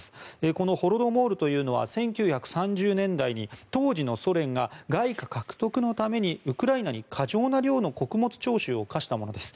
このホロドモールというのは１９３０年代に当時のソ連が外貨獲得のためにウクライナに過剰な量の穀物徴収を課したものです。